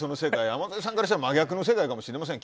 山添さんからしたら真逆の世界かもしれません。